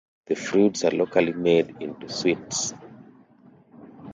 The fruits are locally made into sweets.